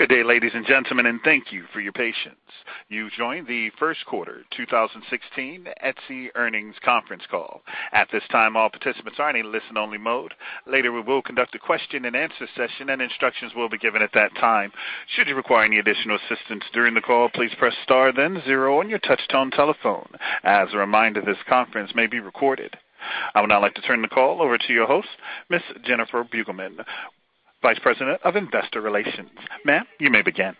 Good day, ladies and gentlemen, and thank you for your patience. You've joined the first quarter 2016 Etsy earnings conference call. At this time, all participants are in a listen only mode. Later, we will conduct a question and answer session, and instructions will be given at that time. Should you require any additional assistance during the call, please press star then zero on your touchtone telephone. As a reminder, this conference may be recorded. I would now like to turn the call over to your host, Ms. Jennifer Beugelmans, Vice President of Investor Relations. Ma'am, you may begin.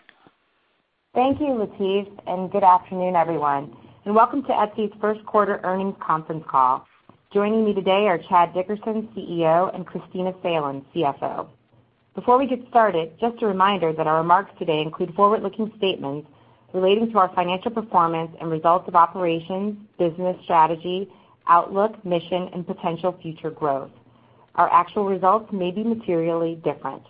Thank you, Latif. Good afternoon, everyone, and welcome to Etsy's first quarter earnings conference call. Joining me today are Chad Dickerson, CEO, and Kristina Salen, CFO. Before we get started, just a reminder that our remarks today include forward-looking statements relating to our financial performance and results of operations, business strategy, outlook, mission, and potential future growth. Our actual results may be materially different.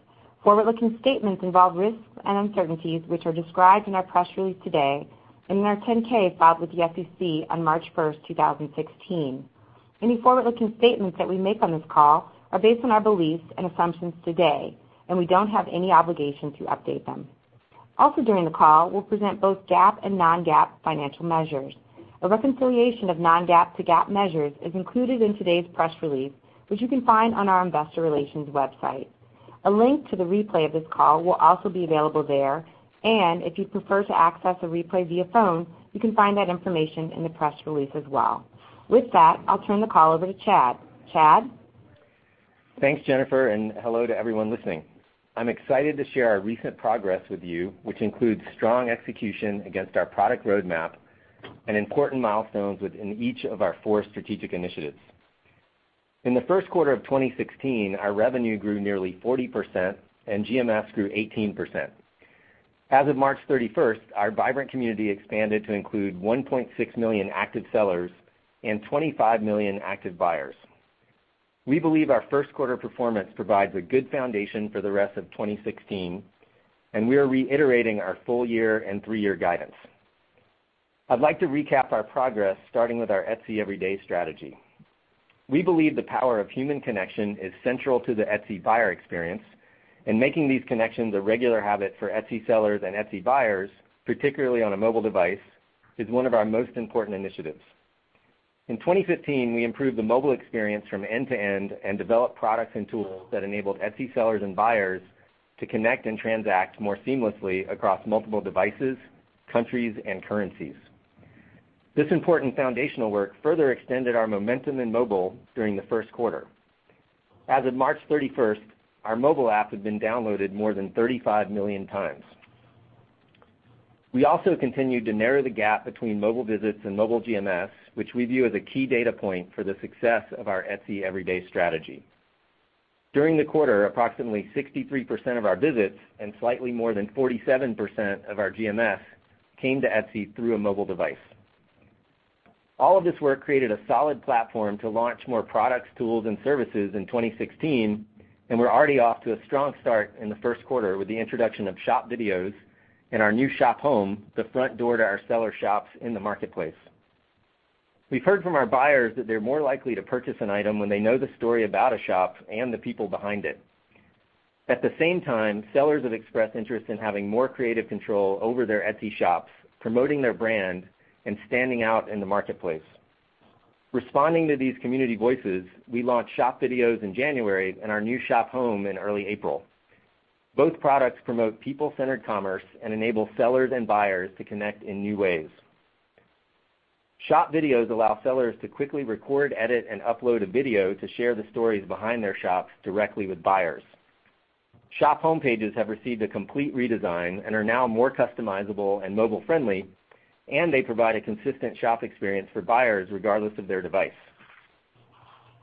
Forward-looking statements involve risks and uncertainties, which are described in our press release today and in our 10-K filed with the SEC on March 1st, 2016. Any forward-looking statements that we make on this call are based on our beliefs and assumptions today. We don't have any obligation to update them. During the call, we'll present both GAAP and non-GAAP financial measures. A reconciliation of non-GAAP to GAAP measures is included in today's press release, which you can find on our investor relations website. A link to the replay of this call will also be available there. If you'd prefer to access a replay via phone, you can find that information in the press release as well. With that, I'll turn the call over to Chad. Chad? Thanks, Jennifer. Hello to everyone listening. I'm excited to share our recent progress with you, which includes strong execution against our product roadmap and important milestones within each of our four strategic initiatives. In the first quarter of 2016, our revenue grew nearly 40%. GMS grew 18%. As of March 31st, our vibrant community expanded to include 1.6 million active sellers and 25 million active buyers. We believe our first quarter performance provides a good foundation for the rest of 2016. We are reiterating our full year and three-year guidance. I'd like to recap our progress, starting with our Etsy Everyday strategy. We believe the power of human connection is central to the Etsy buyer experience. Making these connections a regular habit for Etsy sellers and Etsy buyers, particularly on a mobile device, is one of our most important initiatives. In 2015, we improved the mobile experience from end to end and developed products and tools that enabled Etsy sellers and buyers to connect and transact more seamlessly across multiple devices, countries, and currencies. This important foundational work further extended our momentum in mobile during the first quarter. As of March 31st, our mobile app had been downloaded more than 35 million times. We also continued to narrow the gap between mobile visits and mobile GMS, which we view as a key data point for the success of our Etsy Everyday strategy. During the quarter, approximately 63% of our visits, and slightly more than 47% of our GMS, came to Etsy through a mobile device. All of this work created a solid platform to launch more products, tools, and services in 2016, and we're already off to a strong start in the first quarter with the introduction of shop videos and our new shop home, the front door to our seller shops in the marketplace. We've heard from our buyers that they're more likely to purchase an item when they know the story about a shop and the people behind it. At the same time, sellers have expressed interest in having more creative control over their Etsy shops, promoting their brand, and standing out in the marketplace. Responding to these community voices, we launched shop videos in January and our new shop home in early April. Both products promote people-centered commerce and enable sellers and buyers to connect in new ways. Shop videos allow sellers to quickly record, edit, and upload a video to share the stories behind their shops directly with buyers. Shop home pages have received a complete redesign and are now more customizable and mobile friendly, and they provide a consistent shop experience for buyers regardless of their device.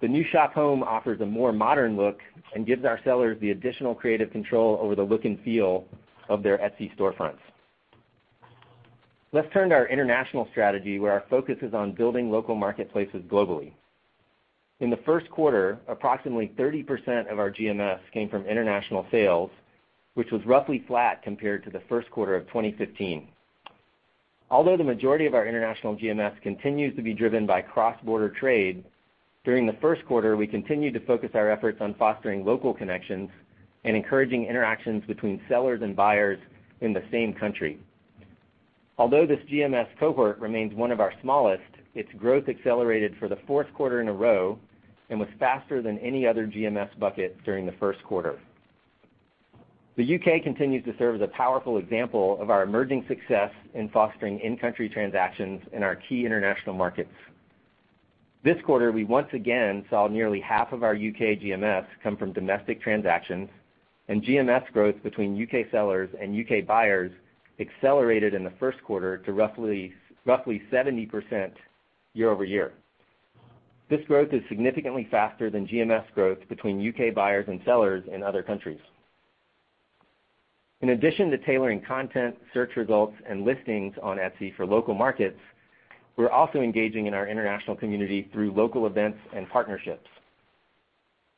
The new shop home offers a more modern look and gives our sellers the additional creative control over the look and feel of their Etsy storefronts. Let's turn to our international strategy where our focus is on building local marketplaces globally. In the first quarter, approximately 30% of our GMS came from international sales, which was roughly flat compared to the first quarter of 2015. Although the majority of our international GMS continues to be driven by cross-border trade, during the first quarter, we continued to focus our efforts on fostering local connections and encouraging interactions between sellers and buyers in the same country. Although this GMS cohort remains one of our smallest, its growth accelerated for the fourth quarter in a row and was faster than any other GMS bucket during the first quarter. The U.K. continues to serve as a powerful example of our emerging success in fostering in-country transactions in our key international markets. This quarter, we once again saw nearly half of our U.K. GMS come from domestic transactions, and GMS growth between U.K. sellers and U.K. buyers accelerated in the first quarter to roughly 70% year-over-year. This growth is significantly faster than GMS growth between U.K. buyers and sellers in other countries. In addition to tailoring content, search results, and listings on Etsy for local markets, we're also engaging in our international community through local events and partnerships.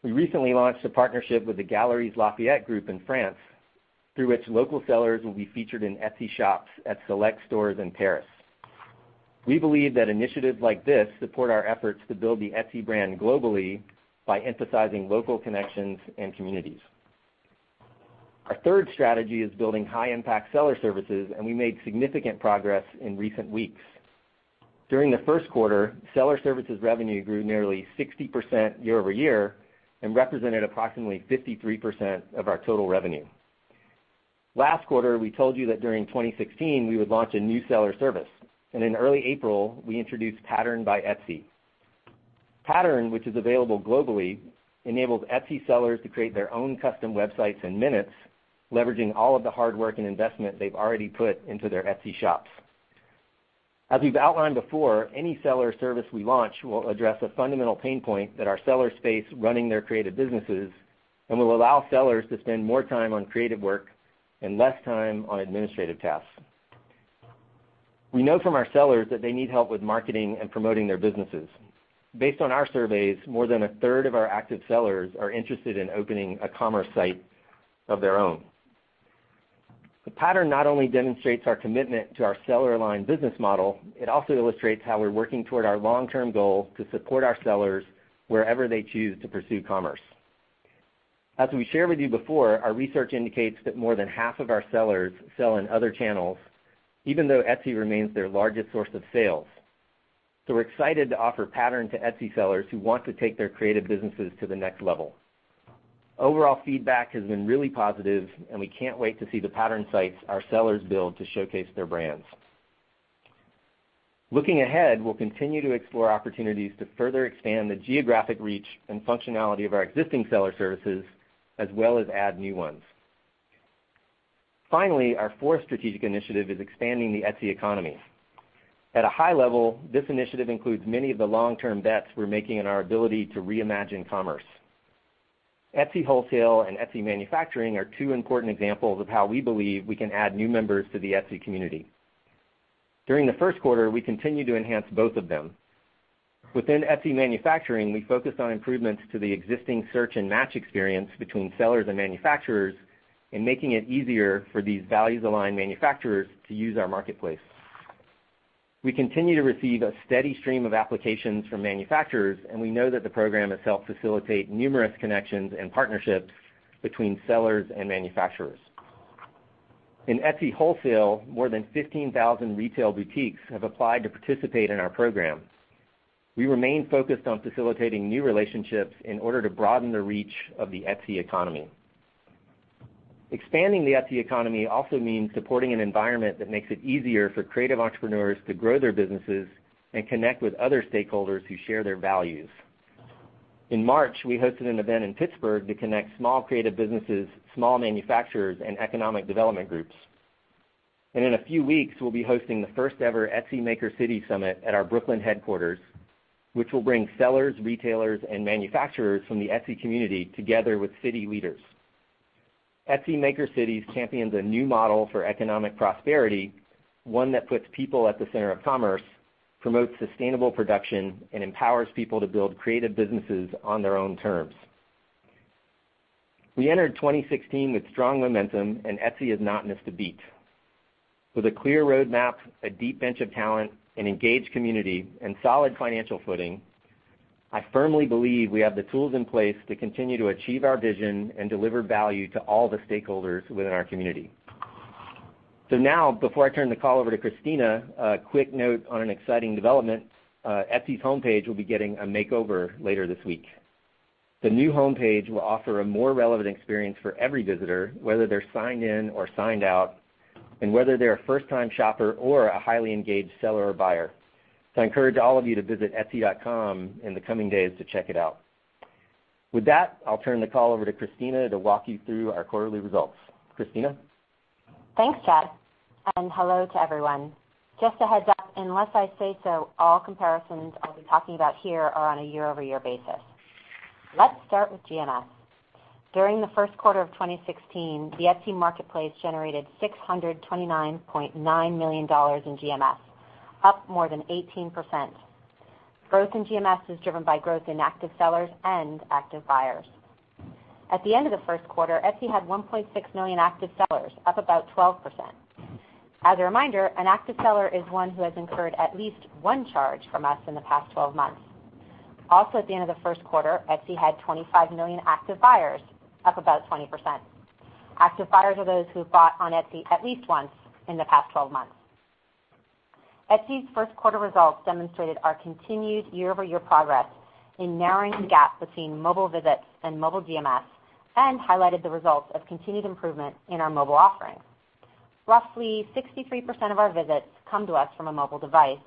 We recently launched a partnership with the Galeries Lafayette Group in France, through which local sellers will be featured in Etsy shops at select stores in Paris. We believe that initiatives like this support our efforts to build the Etsy brand globally by emphasizing local connections and communities. Our third strategy is building high-impact seller services. We made significant progress in recent weeks. During the first quarter, seller services revenue grew nearly 60% year-over-year and represented approximately 53% of our total revenue. Last quarter, we told you that during 2016, we would launch a new seller service. In early April, we introduced Pattern by Etsy. Pattern, which is available globally, enables Etsy sellers to create their own custom websites in minutes, leveraging all of the hard work and investment they've already put into their Etsy shops. As we've outlined before, any seller service we launch will address a fundamental pain point that our sellers face running their creative businesses and will allow sellers to spend more time on creative work and less time on administrative tasks. We know from our sellers that they need help with marketing and promoting their businesses. Based on our surveys, more than a third of our active sellers are interested in opening a commerce site of their own. Pattern not only demonstrates our commitment to our seller line business model, it also illustrates how we're working toward our long-term goal to support our sellers wherever they choose to pursue commerce. As we shared with you before, our research indicates that more than half of our sellers sell on other channels, even though Etsy remains their largest source of sales. We're excited to offer Pattern to Etsy sellers who want to take their creative businesses to the next level. Overall feedback has been really positive, and we can't wait to see the Pattern sites our sellers build to showcase their brands. Looking ahead, we'll continue to explore opportunities to further expand the geographic reach and functionality of our existing seller services, as well as add new ones. Finally, our fourth strategic initiative is expanding the Etsy economy. At a high level, this initiative includes many of the long-term bets we're making in our ability to reimagine commerce. Etsy Wholesale and Etsy Manufacturing are two important examples of how we believe we can add new members to the Etsy community. During the first quarter, we continued to enhance both of them. Within Etsy Manufacturing, we focused on improvements to the existing search and match experience between sellers and manufacturers and making it easier for these values aligned manufacturers to use our marketplace. We continue to receive a steady stream of applications from manufacturers. We know that the program has helped facilitate numerous connections and partnerships between sellers and manufacturers. In Etsy Wholesale, more than 15,000 retail boutiques have applied to participate in our program. We remain focused on facilitating new relationships in order to broaden the reach of the Etsy economy. Expanding the Etsy economy also means supporting an environment that makes it easier for creative entrepreneurs to grow their businesses and connect with other stakeholders who share their values. In March, we hosted an event in Pittsburgh to connect small creative businesses, small manufacturers, and economic development groups. In a few weeks, we'll be hosting the first ever Etsy Maker Cities Summit at our Brooklyn headquarters, which will bring sellers, retailers, and manufacturers from the Etsy community together with city leaders. Etsy Maker Cities champions a new model for economic prosperity. One that puts people at the center of commerce, promotes sustainable production, and empowers people to build creative businesses on their own terms. We entered 2016 with strong momentum, and Etsy has not missed a beat. With a clear roadmap, a deep bench of talent, an engaged community, and solid financial footing, I firmly believe we have the tools in place to continue to achieve our vision and deliver value to all the stakeholders within our community. Now, before I turn the call over to Kristina, a quick note on an exciting development. Etsy's homepage will be getting a makeover later this week. The new homepage will offer a more relevant experience for every visitor, whether they're signed in or signed out, and whether they're a first time shopper or a highly engaged seller or buyer. I encourage all of you to visit etsy.com in the coming days to check it out. With that, I'll turn the call over to Kristina to walk you through our quarterly results. Kristina? Thanks, Chad, and hello to everyone. Just a heads up, unless I say so, all comparisons I'll be talking about here are on a year-over-year basis. Let's start with GMS. During the first quarter of 2016, the Etsy marketplace generated $629.9 million in GMS, up more than 18%. Growth in GMS is driven by growth in active sellers and active buyers. At the end of the first quarter, Etsy had 1.6 million active sellers, up about 12%. As a reminder, an active seller is one who has incurred at least one charge from us in the past 12 months. Also, at the end of the first quarter, Etsy had 25 million active buyers, up about 20%. Active buyers are those who have bought on Etsy at least once in the past 12 months. Etsy's first quarter results demonstrated our continued year-over-year progress in narrowing the gap between mobile visits and mobile GMS and highlighted the results of continued improvement in our mobile offerings. Roughly 63% of our visits come to us from a mobile device,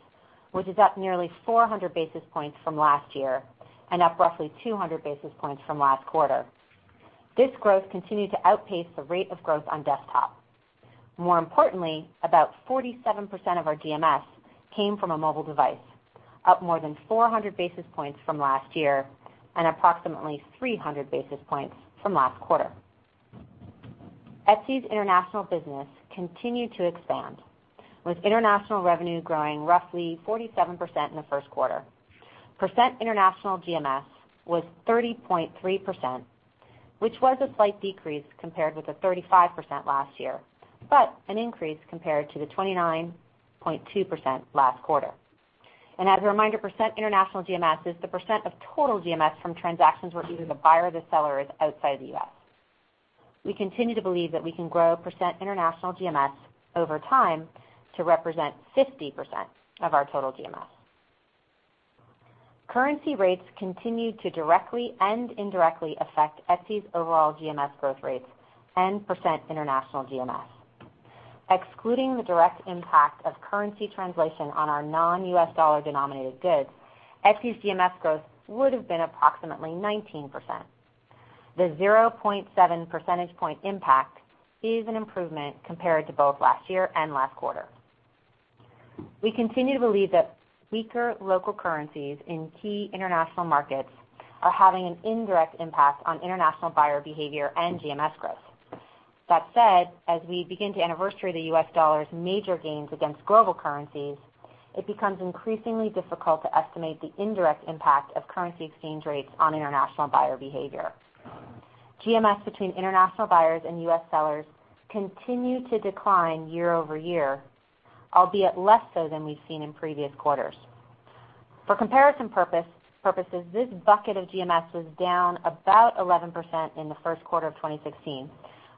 which is up nearly 400 basis points from last year and up roughly 200 basis points from last quarter. This growth continued to outpace the rate of growth on desktop. More importantly, about 47% of our GMS came from a mobile device, up more than 400 basis points from last year and approximately 300 basis points from last quarter. Etsy's international business continued to expand, with international revenue growing roughly 47% in the first quarter. Percent international GMS was 30.3%, which was a slight decrease compared with the 35% last year, but an increase compared to the 29.2% last quarter. As a reminder, percent international GMS is the percent of total GMS from transactions where either the buyer or the seller is outside the U.S. We continue to believe that we can grow percent international GMS over time to represent 50% of our total GMS. Currency rates continue to directly and indirectly affect Etsy's overall GMS growth rates and percent international GMS. Excluding the direct impact of currency translation on our non-U.S. dollar denominated goods, Etsy's GMS growth would've been approximately 19%. The 0.7 percentage point impact is an improvement compared to both last year and last quarter. We continue to believe that weaker local currencies in key international markets are having an indirect impact on international buyer behavior and GMS growth. That said, as we begin to anniversary the U.S. dollar's major gains against global currencies, it becomes increasingly difficult to estimate the indirect impact of currency exchange rates on international buyer behavior. GMS between international buyers and U.S. sellers continue to decline year-over-year, albeit less so than we've seen in previous quarters. For comparison purposes, this bucket of GMS was down about 11% in the first quarter of 2016,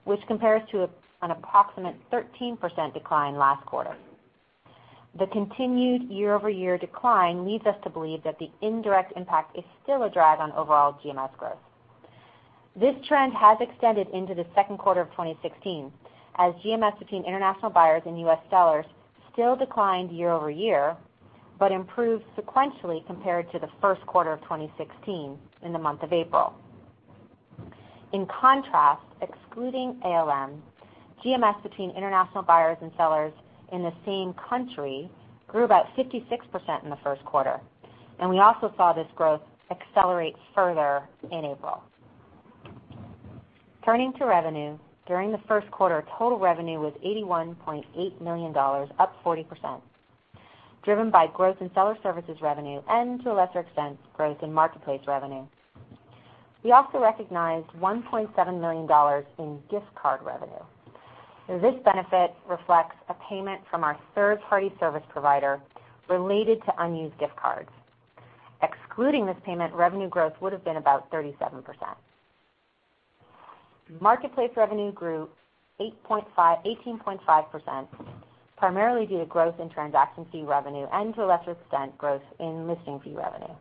which compares to an approximate 13% decline last quarter. The continued year-over-year decline leads us to believe that the indirect impact is still a drag on overall GMS growth. This trend has extended into the second quarter of 2016, as GMS between international buyers and U.S. sellers still declined year-over-year, but improved sequentially compared to the first quarter of 2016 in the month of April. In contrast, excluding ALM, GMS between international buyers and sellers in the same country grew about 56% in the first quarter, and we also saw this growth accelerate further in April. Turning to revenue, during the first quarter, total revenue was $81.8 million, up 40%, driven by growth in seller services revenue, and to a lesser extent, growth in marketplace revenue. We also recognized $1.7 million in gift card revenue. This benefit reflects a payment from our third-party service provider related to unused gift cards. Excluding this payment, revenue growth would've been about 37%. Marketplace revenue grew 18.5%, primarily due to growth in transaction fee revenue, and to a lesser extent, growth in listing fee revenue.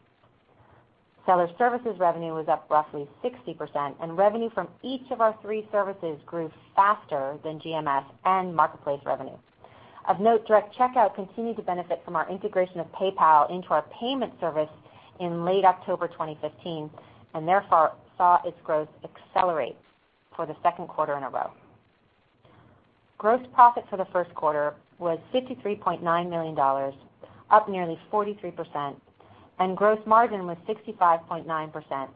Seller services revenue was up roughly 60%, and revenue from each of our three services grew faster than GMS and marketplace revenue. Of note, Direct Checkout continued to benefit from our integration of PayPal into our payment service in late October 2015, and therefore saw its growth accelerate for the second quarter in a row. Gross profit for the first quarter was $53.9 million, up nearly 43%, and gross margin was 65.9%,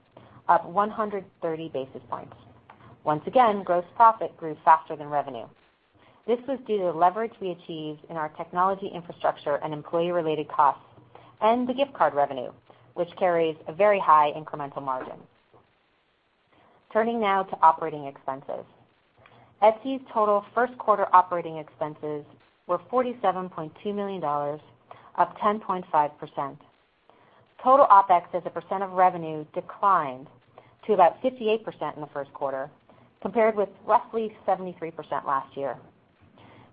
up 130 basis points. Once again, gross profit grew faster than revenue. This was due to the leverage we achieved in our technology infrastructure and employee-related costs, and the gift card revenue, which carries a very high incremental margin. Turning now to operating expenses. Etsy's total first quarter operating expenses were $47.2 million, up 10.5%. Total OpEx as a % of revenue declined to about 58% in the first quarter, compared with roughly 73% last year.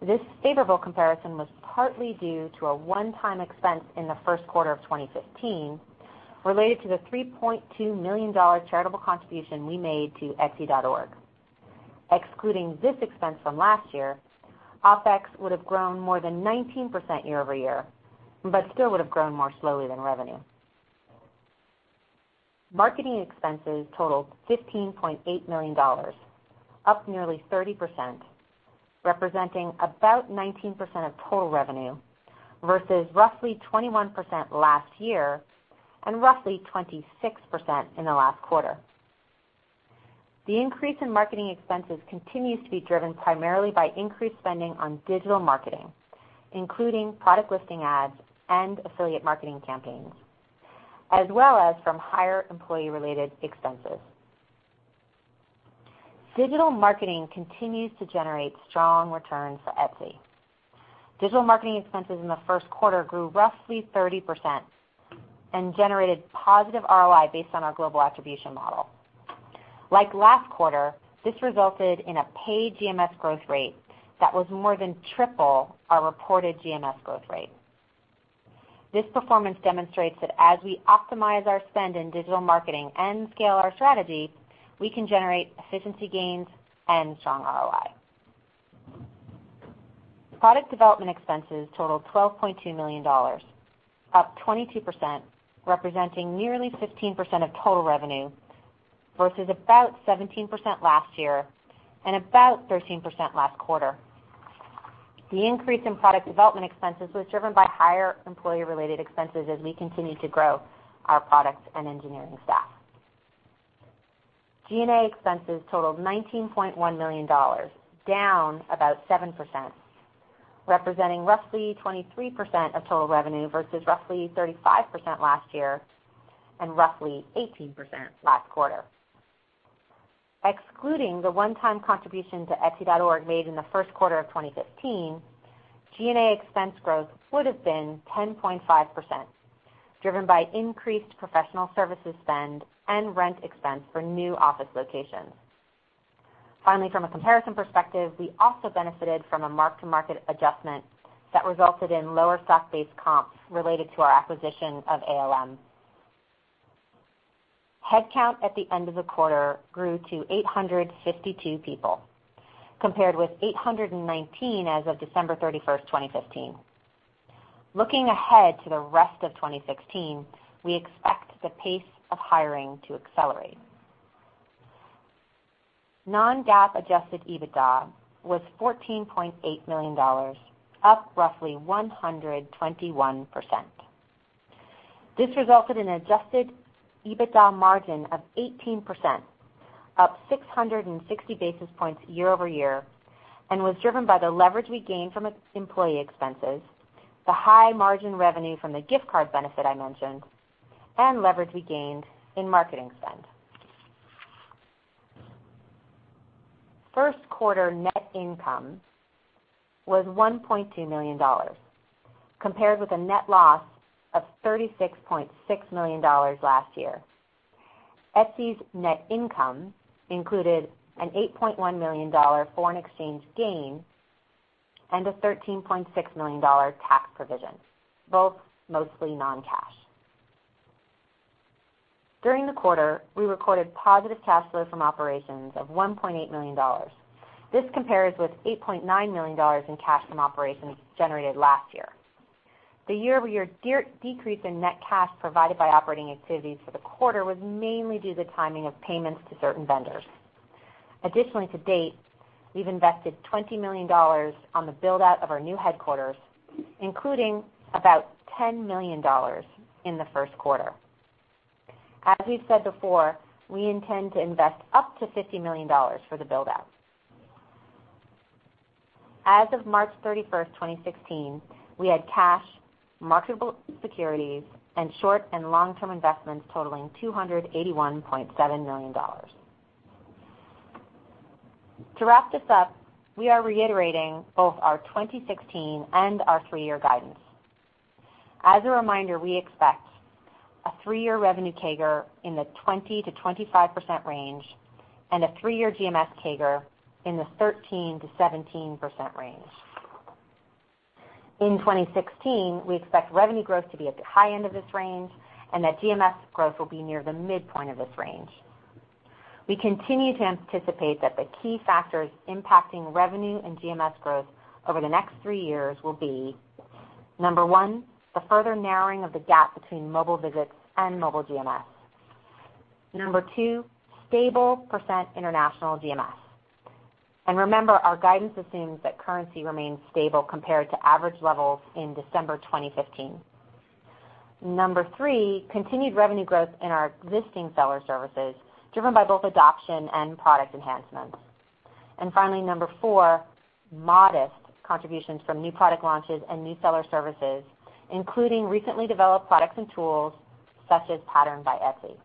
This favorable comparison was partly due to a one-time expense in the first quarter of 2015 related to the $3.2 million charitable contribution we made to etsy.org. Excluding this expense from last year, OpEx would've grown more than 19% year-over-year, but still would've grown more slowly than revenue. Marketing expenses totaled $15.8 million, up nearly 30%, representing about 19% of total revenue versus roughly 21% last year, and roughly 26% in the last quarter. The increase in marketing expenses continues to be driven primarily by increased spending on digital marketing, including product listing ads and affiliate marketing campaigns, as well as from higher employee-related expenses. Digital marketing continues to generate strong returns for Etsy. Digital marketing expenses in the first quarter grew roughly 30% and generated positive ROI based on our global attribution model. Like last quarter, this resulted in a paid GMS growth rate that was more than triple our reported GMS growth rate. This performance demonstrates that as we optimize our spend in digital marketing and scale our strategy, we can generate efficiency gains and strong ROI. Product development expenses totaled $12.2 million, up 22%, representing nearly 15% of total revenue versus about 17% last year and about 13% last quarter. The increase in product development expenses was driven by higher employee-related expenses as we continue to grow our product and engineering staff. G&A expenses totaled $19.1 million, down about 7%. Representing roughly 23% of total revenue versus roughly 35% last year and roughly 18% last quarter. Excluding the one-time contribution to etsy.org made in the first quarter of 2015, G&A expense growth would have been 10.5%, driven by increased professional services spend and rent expense for new office locations. Finally, from a comparison perspective, we also benefited from a mark-to-market adjustment that resulted in lower stock-based comps related to our acquisition of ALM. Headcount at the end of the quarter grew to 852 people, compared with 819 as of December 31st, 2015. Looking ahead to the rest of 2016, we expect the pace of hiring to accelerate. Non-GAAP adjusted EBITDA was $14.8 million, up roughly 121%. This resulted in adjusted EBITDA margin of 18%, up 660 basis points year-over-year, and was driven by the leverage we gained from employee expenses, the high margin revenue from the gift card benefit I mentioned, and leverage we gained in marketing spend. First quarter net income was $1.2 million, compared with a net loss of $36.6 million last year. Etsy's net income included an $8.1 million foreign exchange gain and a $13.6 million tax provision, both mostly non-cash. During the quarter, we recorded positive cash flow from operations of $1.8 million. This compares with $8.9 million in cash from operations generated last year. The year-over-year decrease in net cash provided by operating activities for the quarter was mainly due to the timing of payments to certain vendors. Additionally, to date, we've invested $20 million on the build-out of our new headquarters, including about $10 million in the first quarter. As we've said before, we intend to invest up to $50 million for the build-out. As of March 31st, 2016, we had cash, marketable securities, and short and long-term investments totaling $281.7 million. To wrap this up, we are reiterating both our 2016 and our three-year guidance. As a reminder, we expect a three-year revenue CAGR in the 20%-25% range and a three-year GMS CAGR in the 13%-17% range. In 2016, we expect revenue growth to be at the high end of this range and that GMS growth will be near the midpoint of this range. We continue to anticipate that the key factors impacting revenue and GMS growth over the next three years will be, number 1, the further narrowing of the gap between mobile visits and mobile GMS. Number 2, stable % international GMS. Remember, our guidance assumes that currency remains stable compared to average levels in December 2015. Number 3, continued revenue growth in our existing seller services, driven by both adoption and product enhancements. Finally, number 4, modest contributions from new product launches and new seller services, including recently developed products and tools such as Pattern by Etsy.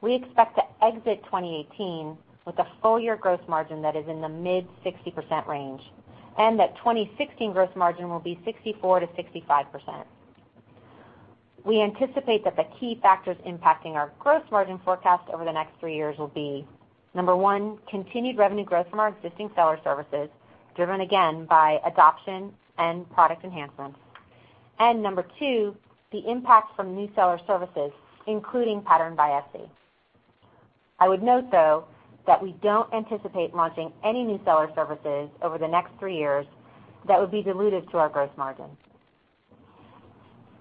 We expect to exit 2018 with a full-year growth margin that is in the mid-60% range, and that 2016 growth margin will be 64%-65%. We anticipate that the key factors impacting our growth margin forecast over the next three years will be, number 1, continued revenue growth from our existing seller services, driven again by adoption and product enhancements. Number 2, the impact from new seller services, including Pattern by Etsy. I would note, though, that we don't anticipate launching any new seller services over the next three years that would be dilutive to our growth margin.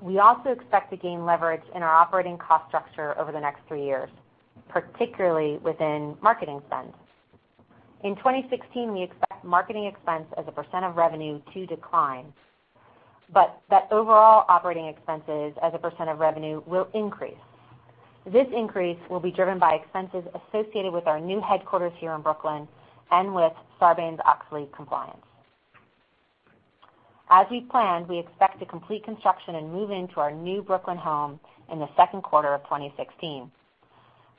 We also expect to gain leverage in our operating cost structure over the next three years, particularly within marketing spend. In 2016, we expect marketing expense as a % of revenue to decline, but that overall operating expenses as a % of revenue will increase. This increase will be driven by expenses associated with our new headquarters here in Brooklyn and with Sarbanes-Oxley compliance. As we planned, we expect to complete construction and move into our new Brooklyn home in the second quarter of 2016.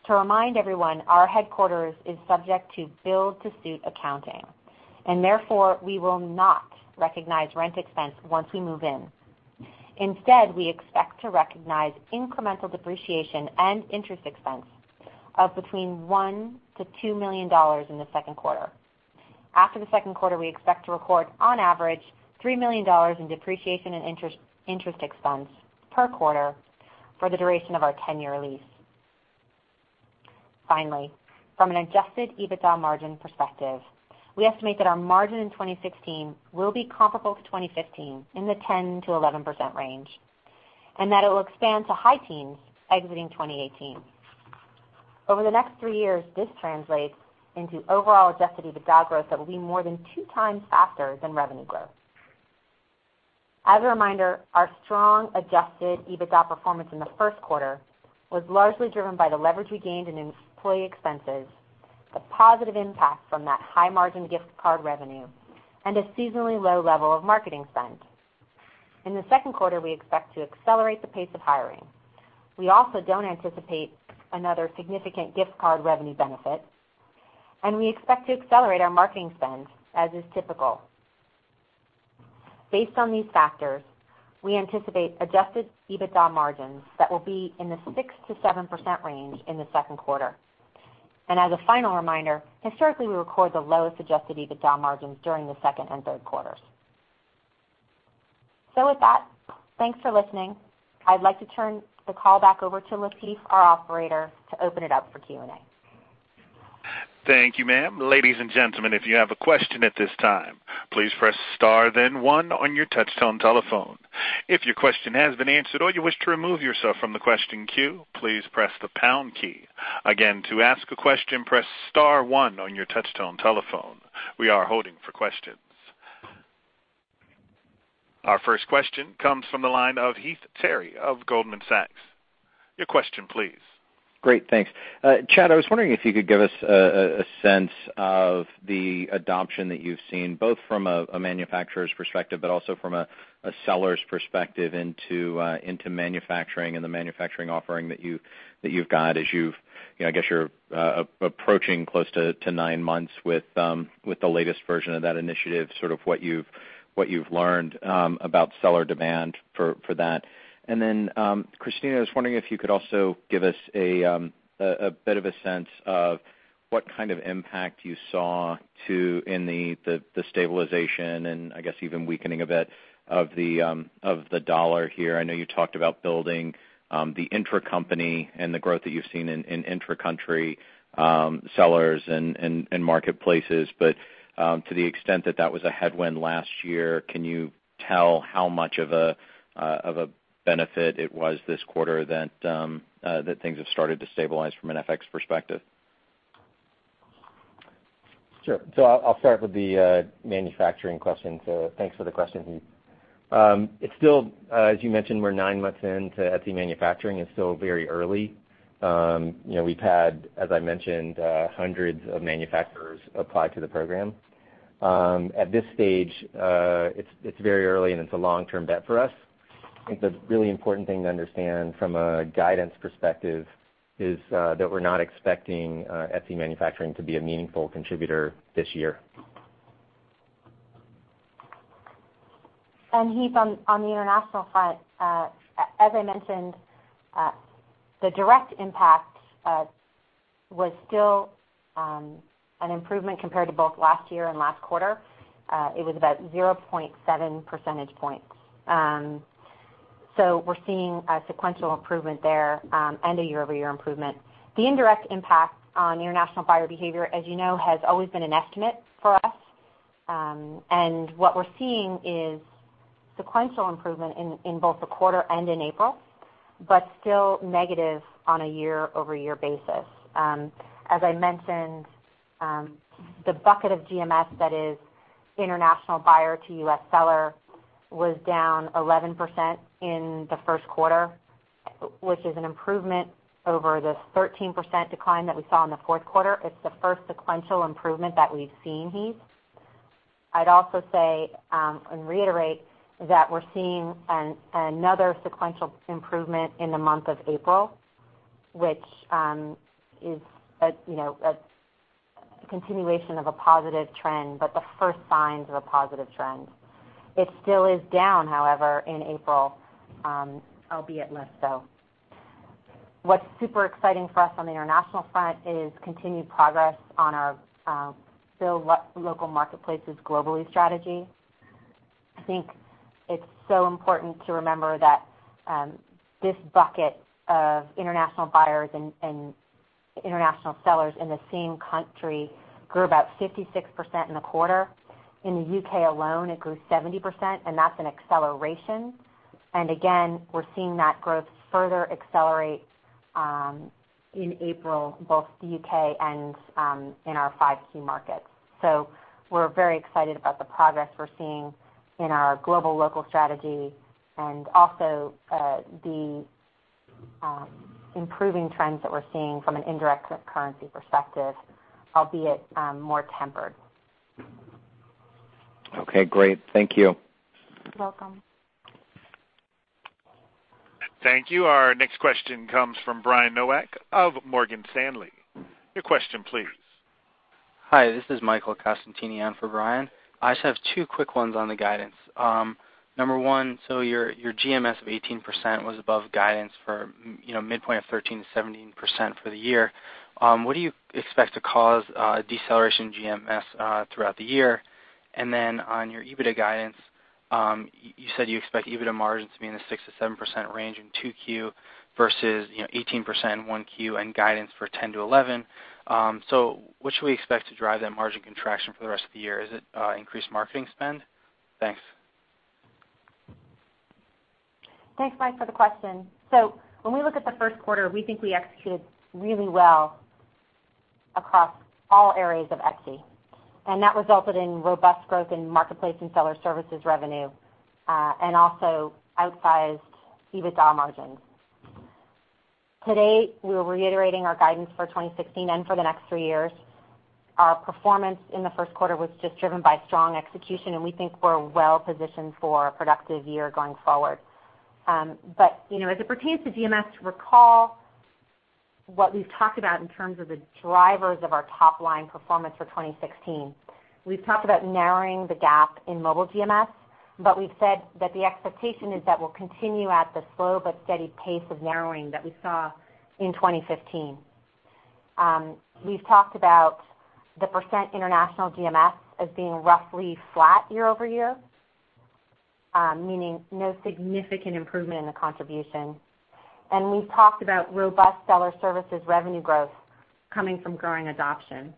To remind everyone, our headquarters is subject to build-to-suit accounting, therefore, we will not recognize rent expense once we move in. Instead, we expect to recognize incremental depreciation and interest expense of between $1 million-$2 million in the second quarter. After the second quarter, we expect to record, on average, $3 million in depreciation and interest expense per quarter for the duration of our 10-year lease. Finally, from an adjusted EBITDA margin perspective, we estimate that our margin in 2016 will be comparable to 2015, in the 10%-11% range, and that it will expand to high teens exiting 2018. Over the next three years, this translates into overall adjusted EBITDA growth that will be more than two times faster than revenue growth. As a reminder, our strong adjusted EBITDA performance in the first quarter was largely driven by the leverage we gained in employee expenses, the positive impact from that high-margin gift card revenue, and a seasonally low level of marketing spend. In the second quarter, we expect to accelerate the pace of hiring. We also don't anticipate another significant gift card revenue benefit, and we expect to accelerate our marketing spend, as is typical. Based on these factors, we anticipate adjusted EBITDA margins that will be in the 6%-7% range in the second quarter. As a final reminder, historically, we record the lowest adjusted EBITDA margins during the second and third quarters. With that, thanks for listening. I'd like to turn the call back over to Latif, our operator, to open it up for Q&A. Thank you, ma'am. Ladies and gentlemen, if you have a question at this time, please press star then one on your touch-tone telephone. If your question has been answered or you wish to remove yourself from the question queue, please press the pound key. Again, to ask a question, press star one on your touch-tone telephone. We are holding for questions. Our first question comes from the line of Heath Terry of Goldman Sachs. Your question, please. Great. Thanks. Chad, I was wondering if you could give us a sense of the adoption that you've seen, both from a manufacturer's perspective, but also from a seller's perspective into manufacturing and the manufacturing offering that you've got as you've, I guess you're approaching close to nine months with the latest version of that initiative, sort of what you've learned about seller demand for that. Then Kristina, I was wondering if you could also give us a bit of a sense of what kind of impact you saw in the stabilization and I guess even weakening a bit of the dollar here. I know you talked about building the intracompany and the growth that you've seen in intracountry sellers and marketplaces. To the extent that that was a headwind last year, can you tell how much of a benefit it was this quarter that things have started to stabilize from an FX perspective? I'll start with the manufacturing question. Thanks for the question, Heath. As you mentioned, we're nine months into Etsy Manufacturing. It's still very early. We've had, as I mentioned, hundreds of manufacturers apply to the program. At this stage, it's very early, and it's a long-term bet for us. I think the really important thing to understand from a guidance perspective is that we're not expecting Etsy Manufacturing to be a meaningful contributor this year. Heath, on the international front, as I mentioned, the direct impact was still an improvement compared to both last year and last quarter. It was about 0.7 percentage points. We're seeing a sequential improvement there and a year-over-year improvement. The indirect impact on international buyer behavior, as you know, has always been an estimate for us. What we're seeing is sequential improvement in both the quarter and in April, but still negative on a year-over-year basis. As I mentioned, the bucket of GMS that is international buyer to U.S. seller was down 11% in the first quarter, which is an improvement over the 13% decline that we saw in the fourth quarter. It's the first sequential improvement that we've seen, Heath. I'd also say and reiterate that we're seeing another sequential improvement in the month of April, which is a continuation of a positive trend, but the first signs of a positive trend. It still is down, however, in April, albeit less so. What's super exciting for us on the international front is continued progress on our build local marketplaces globally strategy. I think it's so important to remember that this bucket of international buyers and international sellers in the same country grew about 56% in the quarter. In the U.K. alone, it grew 70%, and that's an acceleration. Again, we're seeing that growth further accelerate in April, both the U.K. and in our five key markets. We're very excited about the progress we're seeing in our global local strategy and also the improving trends that we're seeing from an indirect currency perspective, albeit more tempered. Okay, great. Thank you. You're welcome. Thank you. Our next question comes from Brian Nowak of Morgan Stanley. Your question, please. Hi, this is Michael Costantini in for Brian. I just have two quick ones on the guidance. Number one, your GMS of 18% was above guidance for midpoint of 13%-17% for the year. What do you expect to cause a deceleration in GMS throughout the year? On your EBITDA guidance, you said you expect EBITDA margins to be in the 6%-7% range in 2Q versus 18% in 1Q and guidance for 10%-11%. What should we expect to drive that margin contraction for the rest of the year? Is it increased marketing spend? Thanks. Thanks, Mike, for the question. When we look at the first quarter, we think we executed really well across all areas of Etsy, that resulted in robust growth in marketplace and seller services revenue, also outsized EBITDA margins. Today, we're reiterating our guidance for 2016 and for the next three years. Our performance in the first quarter was just driven by strong execution, we think we're well-positioned for a productive year going forward. As it pertains to GMS, recall what we've talked about in terms of the drivers of our top-line performance for 2016. We've talked about narrowing the gap in mobile GMS, we've said that the expectation is that we'll continue at the slow but steady pace of narrowing that we saw in 2015. We've talked about the percent international GMS as being roughly flat year-over-year, meaning no significant improvement in the contribution. We've talked about robust seller services revenue growth coming from growing adoption.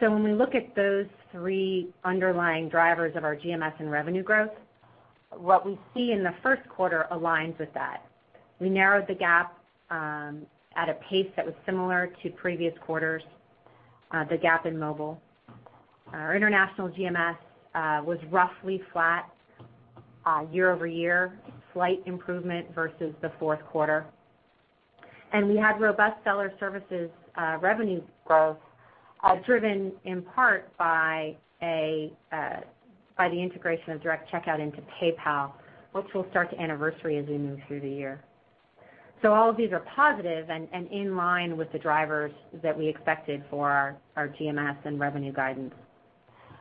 When we look at those three underlying drivers of our GMS and revenue growth, what we see in the first quarter aligns with that. We narrowed the gap at a pace that was similar to previous quarters, the gap in mobile. Our international GMS was roughly flat year-over-year, slight improvement versus the fourth quarter. We had robust seller services revenue growth driven in part by the integration of Direct Checkout into PayPal, which will start to anniversary as we move through the year. All of these are positive and in line with the drivers that we expected for our GMS and revenue guidance.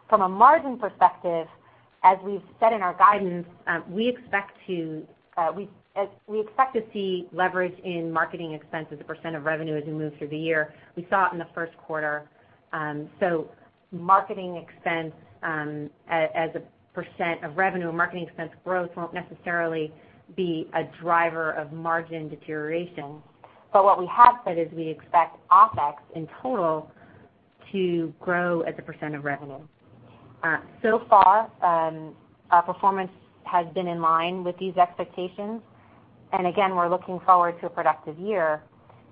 From a margin perspective, as we've said in our guidance, we expect to see leverage in marketing expense as a % of revenue as we move through the year. We saw it in the first quarter. Marketing expense as a % of revenue and marketing expense growth won't necessarily be a driver of margin deterioration. What we have said is we expect OpEx in total to grow as a % of revenue. So far, our performance has been in line with these expectations. Again, we're looking forward to a productive year.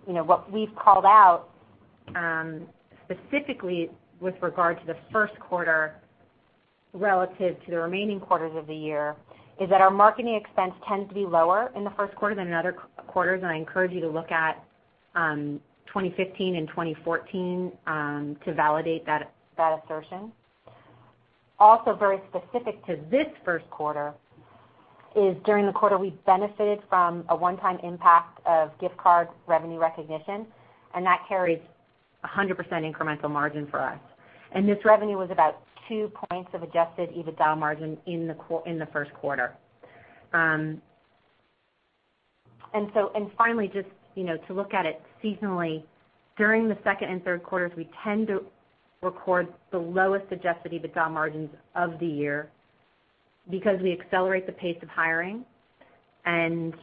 What we've called out, specifically with regard to the first quarter relative to the remaining quarters of the year, is that our marketing expense tends to be lower in the first quarter than in other quarters, and I encourage you to look at 2015 and 2014 to validate that assertion. Also very specific to this first quarter is during the quarter, we benefited from a one-time impact of gift card revenue recognition, and that carries 100% incremental margin for us. This revenue was about two points of adjusted EBITDA margin in the first quarter. Finally, just to look at it seasonally, during the second and third quarters, we tend to record the lowest adjusted EBITDA margins of the year because we accelerate the pace of hiring and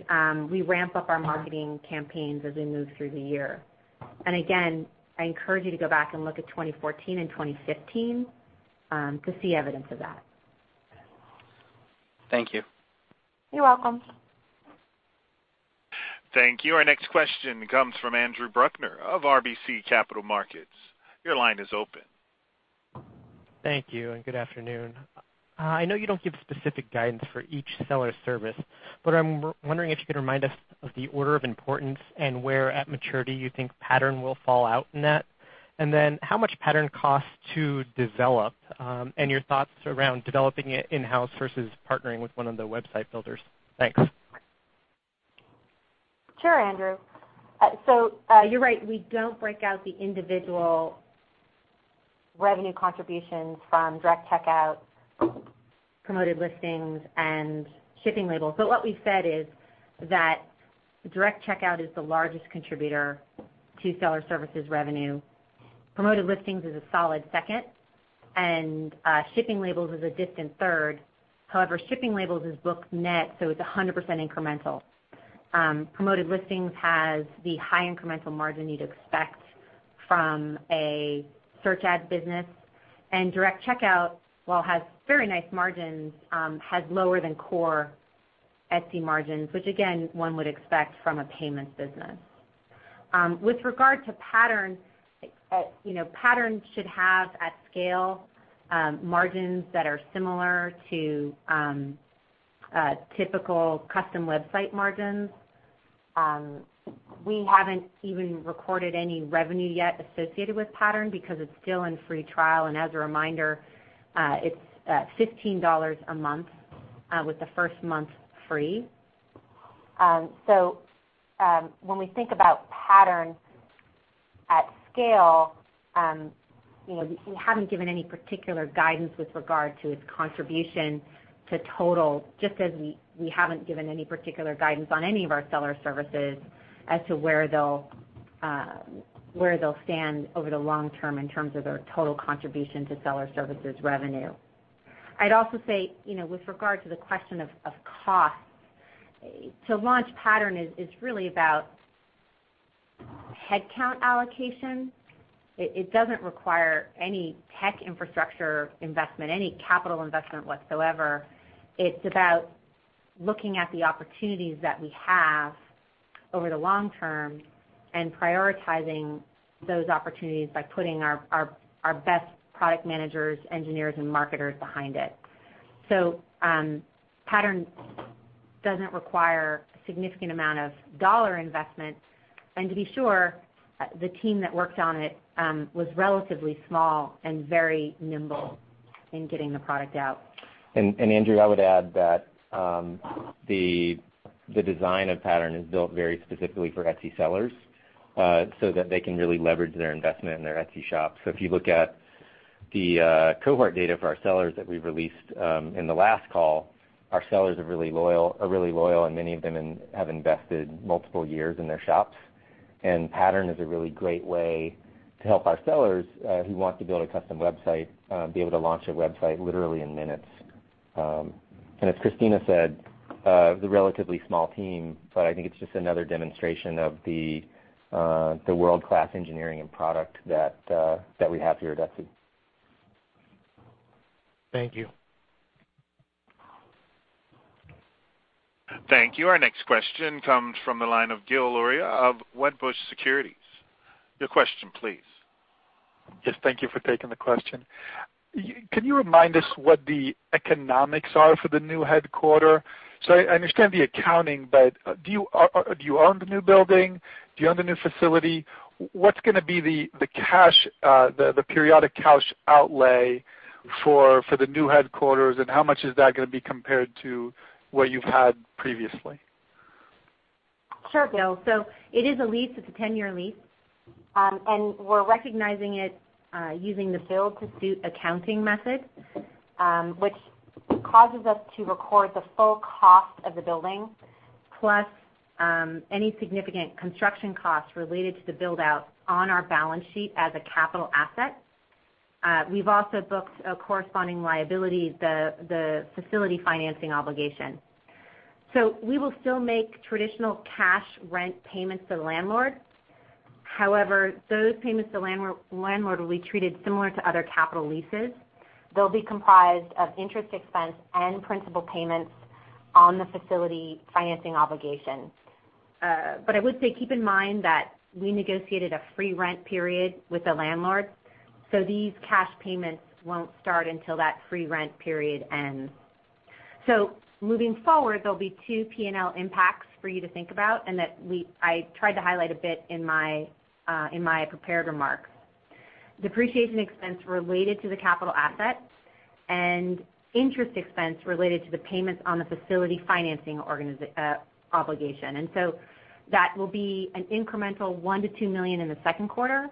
we ramp up our marketing campaigns as we move through the year. Again, I encourage you to go back and look at 2014 and 2015 to see evidence of that. Thank you. You're welcome. Thank you. Our next question comes from Andrew Bruckner of RBC Capital Markets. Your line is open. Thank you. Good afternoon. I know you don't give specific guidance for each seller service, but I'm wondering if you could remind us of the order of importance and where at maturity you think Pattern will fall out in that. How much Pattern costs to develop and your thoughts around developing it in-house versus partnering with one of the website builders. Thanks. Sure, Andrew. You're right, we don't break out the individual revenue contributions from Direct Checkout, Promoted Listings, and shipping labels. What we've said is that Direct Checkout is the largest contributor to seller services revenue. Promoted Listings is a solid second, and shipping labels is a distant third. However, shipping labels is booked net, so it's 100% incremental. Promoted Listings has the high incremental margin you'd expect from a search ad business. Direct Checkout, while it has very nice margins, has lower than core Etsy margins, which again, one would expect from a payments business. With regard to Pattern should have at scale margins that are similar to typical custom website margins. We haven't even recorded any revenue yet associated with Pattern because it's still in free trial, and as a reminder, it's $15 a month with the first month free. When we think about Pattern at scale, we haven't given any particular guidance with regard to its contribution to total, just as we haven't given any particular guidance on any of our seller services as to where they'll stand over the long term in terms of their total contribution to seller services revenue. I'd also say, with regard to the question of cost, to launch Pattern is really about headcount allocation. It doesn't require any tech infrastructure investment, any capital investment whatsoever. It's about looking at the opportunities that we have over the long term and prioritizing those opportunities by putting our best product managers, engineers, and marketers behind it. Pattern doesn't require a significant amount of dollar investment. To be sure, the team that worked on it was relatively small and very nimble in getting the product out. Andrew, I would add that the design of Pattern is built very specifically for Etsy sellers, so that they can really leverage their investment in their Etsy shop. If you look at the cohort data for our sellers that we've released in the last call, our sellers are really loyal, and many of them have invested multiple years in their shops. Pattern is a really great way to help our sellers who want to build a custom website, be able to launch a website literally in minutes. As Kristina said, the relatively small team, but I think it's just another demonstration of the world-class engineering and product that we have here at Etsy. Thank you. Thank you. Our next question comes from the line of Gil Luria of Wedbush Securities. Your question, please. Yes, thank you for taking the question. Can you remind us what the economics are for the new headquarters? I understand the accounting, but do you own the new building? Do you own the new facility? What's going to be the periodic cash outlay for the new headquarters, and how much is that going to be compared to what you've had previously? Sure, Gil. It is a lease. It's a 10-year lease. We're recognizing it using the build-to-suit accounting method, which causes us to record the full cost of the building, plus any significant construction costs related to the build-out on our balance sheet as a capital asset. We've also booked a corresponding liability, the facility financing obligation. We will still make traditional cash rent payments to the landlord. However, those payments to the landlord will be treated similar to other capital leases. They'll be comprised of interest expense and principal payments on the facility financing obligation. I would say, keep in mind that we negotiated a free rent period with the landlord. These cash payments won't start until that free rent period ends. Moving forward, there'll be two P&L impacts for you to think about and that I tried to highlight a bit in my prepared remarks. Depreciation expense related to the capital asset and interest expense related to the payments on the facility financing obligation. That will be an incremental $1 million-$2 million in the second quarter,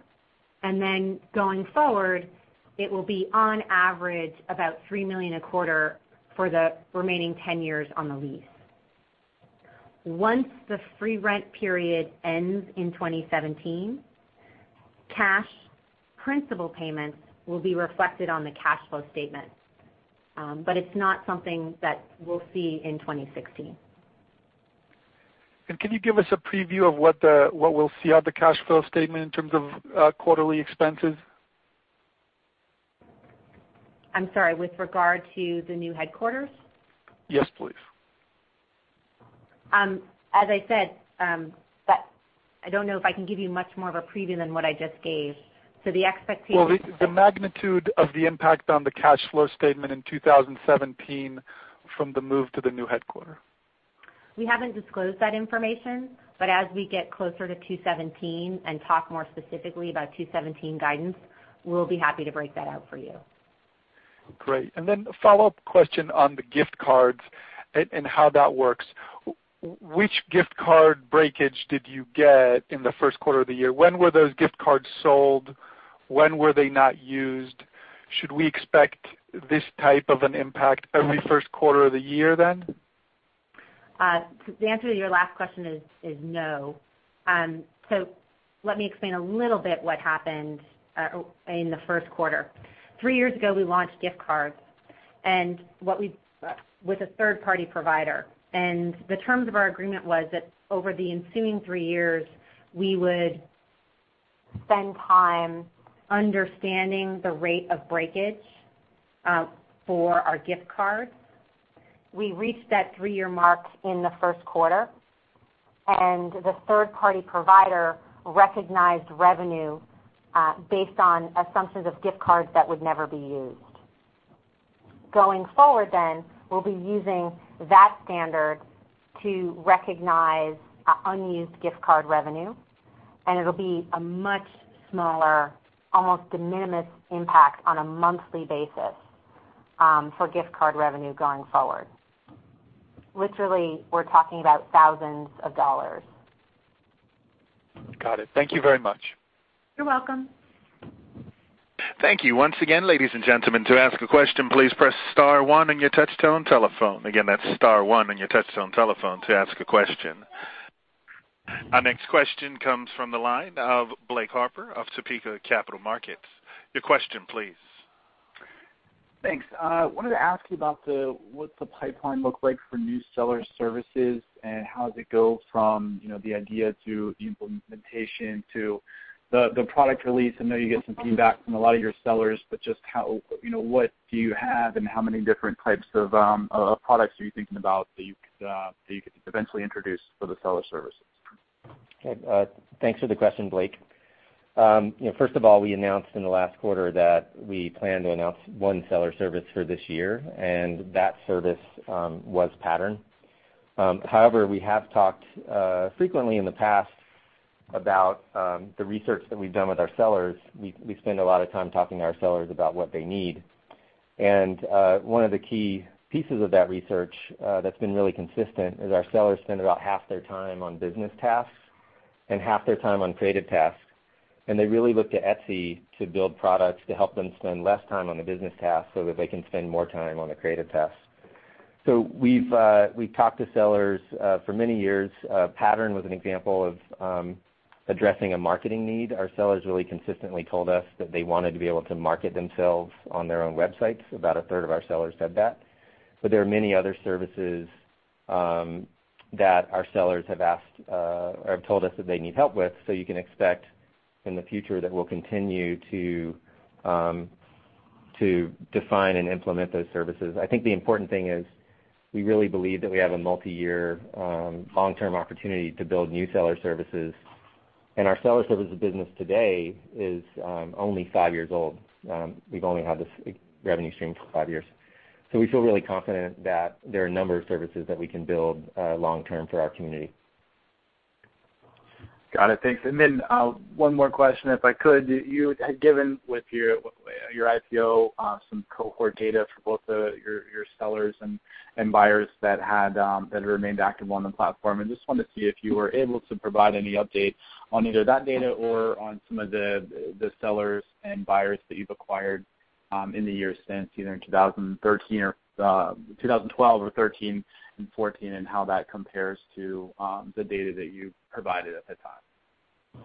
and then going forward, it will be on average, about $3 million a quarter for the remaining 10 years on the lease. Once the free rent period ends in 2017, cash principal payments will be reflected on the cash flow statement. It's not something that we'll see in 2016. Can you give us a preview of what we'll see on the cash flow statement in terms of quarterly expenses? I'm sorry, with regard to the new headquarters? Yes, please. As I said, I don't know if I can give you much more of a preview than what I just gave. Well, the magnitude of the impact on the cash flow statement in 2017 from the move to the new headquarters? We haven't disclosed that information, but as we get closer to 2017 and talk more specifically about 2017 guidance, we'll be happy to break that out for you. Great. Then a follow-up question on the gift cards and how that works. Which gift card breakage did you get in the first quarter of the year? When were those gift cards sold? When were they not used? Should we expect this type of an impact every first quarter of the year, then? The answer to your last question is no. Let me explain a little bit what happened in the first quarter. Three years ago, we launched gift cards with a third-party provider, and the terms of our agreement was that over the ensuing three years, we would spend time understanding the rate of breakage for our gift cards. We reached that three-year mark in the first quarter, and the third-party provider recognized revenue based on assumptions of gift cards that would never be used. Going forward then, we'll be using that standard to recognize unused gift card revenue, and it'll be a much smaller, almost de minimis impact on a monthly basis for gift card revenue going forward. Literally, we're talking about thousands of dollars. Got it. Thank you very much. You're welcome. Thank you. Once again, ladies and gentlemen, to ask a question, please press *1 on your touchtone telephone. Again, that's *1 on your touchtone telephone to ask a question. Our next question comes from the line of Blake Harper of Topeka Capital Markets. Your question, please. Thanks. I wanted to ask you about what the pipeline looks like for new seller services. How does it go from the idea to the implementation to the product release? I know you get some feedback from a lot of your sellers, just what do you have, and how many different types of products are you thinking about that you could eventually introduce for the seller services? Okay. Thanks for the question, Blake. First of all, we announced in the last quarter that we plan to announce one seller service for this year. That service was Pattern. However, we have talked frequently in the past about the research that we've done with our sellers. We spend a lot of time talking to our sellers about what they need. One of the key pieces of that research that's been really consistent is our sellers spend about half their time on business tasks and half their time on creative tasks, and they really look to Etsy to build products to help them spend less time on the business tasks so that they can spend more time on the creative tasks. We've talked to sellers for many years. Pattern was an example of addressing a marketing need. Our sellers really consistently told us that they wanted to be able to market themselves on their own websites. About a third of our sellers said that. There are many other services that our sellers have told us that they need help with. You can expect in the future that we'll continue to define and implement those services. I think the important thing is we really believe that we have a multi-year long-term opportunity to build new seller services, and our seller services business today is only five years old. We've only had this revenue stream for five years. We feel really confident that there are a number of services that we can build long-term for our community. Got it. Thanks. One more question if I could. You had given with your IPO some cohort data for both your sellers and buyers that have remained active on the platform. I just wanted to see if you were able to provide any update on either that data or on some of the sellers and buyers that you've acquired in the years since, either in 2012 or 2013 and 2014, and how that compares to the data that you provided at the time.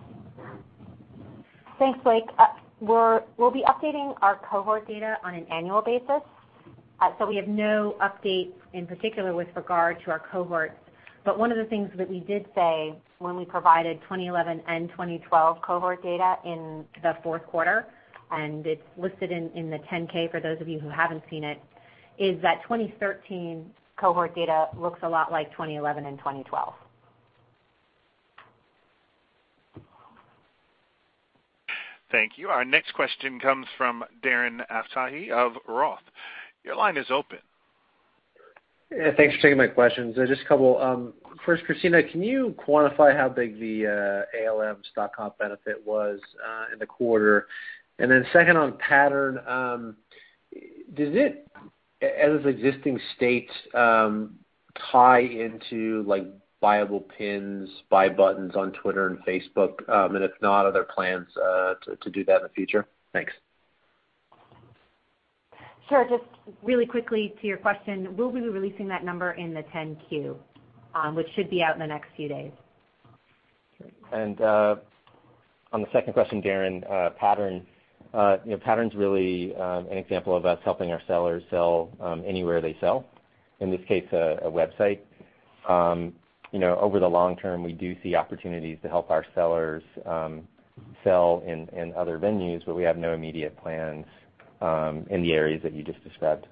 Thanks, Blake. We'll be updating our cohort data on an annual basis. We have no updates in particular with regard to our cohorts. One of the things that we did say when we provided 2011 and 2012 cohort data in the fourth quarter, and it's listed in the 10-K for those of you who haven't seen it, is that 2013 cohort data looks a lot like 2011 and 2012. Thank you. Our next question comes from Darren Aftahi of Roth. Your line is open. Yeah, thanks for taking my questions. Just a couple. First, Kristina, can you quantify how big the ALM stock comp benefit was in the quarter? Second on Pattern, does it as existing states tie into Buyable Pins, buy buttons on Twitter and Facebook? If not, are there plans to do that in the future? Thanks. Sure. Just really quickly to your question, we'll be releasing that number in the 10-Q, which should be out in the next few days. On the second question, Darren, Pattern's really an example of us helping our sellers sell anywhere they sell, in this case, a website. Over the long term, we do see opportunities to help our sellers sell in other venues, we have no immediate plans in the areas that you just described.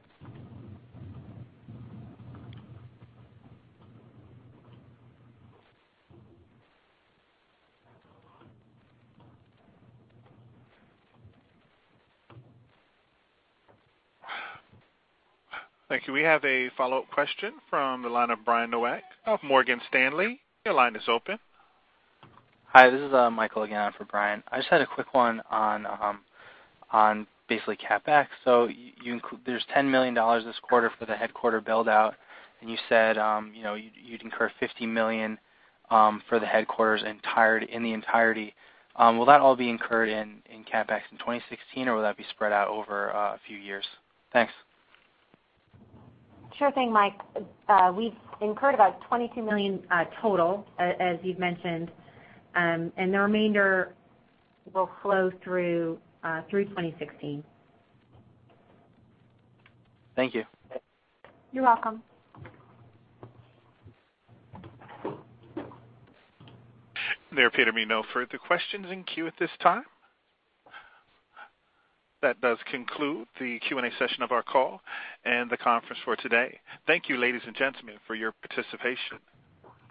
Thank you. We have a follow-up question from the line of Brian Nowak of Morgan Stanley. Your line is open. Hi, this is Michael again for Brian. I just had a quick one on CapEx. There's $10 million this quarter for the headquarter build-out, and you said you'd incur $50 million for the headquarters in the entirety. Will that all be incurred in CapEx in 2016, or will that be spread out over a few years? Thanks. Sure thing, Mike. We've incurred about $22 million total, as you've mentioned, and the remainder will flow through 2016. Thank you. You're welcome. There appear to be no further questions in queue at this time. That does conclude the Q&A session of our call and the conference for today. Thank you, ladies and gentlemen, for your participation.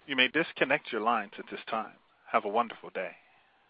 You may disconnect your lines at this time. Have a wonderful day.